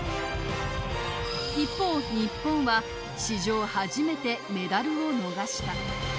一方、日本は史上初めてメダルを逃した。